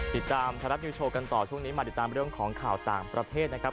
ติดตามไทยรัฐนิวโชว์กันต่อช่วงนี้มาติดตามเรื่องของข่าวต่างประเทศนะครับ